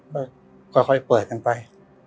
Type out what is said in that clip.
แล้วค่อยเปิดกันไป